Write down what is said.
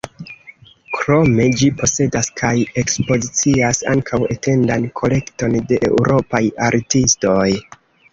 Krome ĝi posedas kaj ekspozicias ankaŭ etendan kolekton de eŭropaj artistoj.